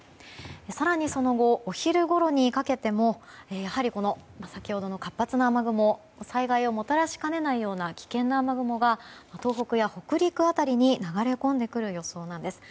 更に、その後お昼ごろにかけてもやはり、先ほどの活発な雨雲災害をもたらしかねないような危険な雨雲が東北や北陸辺りに流れ込んでくる予想なんです。